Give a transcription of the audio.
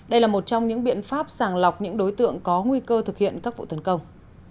đây là một trong những biện pháp sàng lọc những đối tượng có nguy cơ thực hiện các vụ tấn công